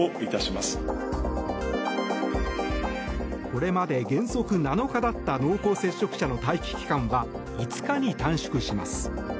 これまで原則７日だった濃厚接触者の待機期間は５日に短縮します。